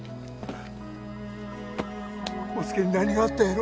康介に何があったんやろ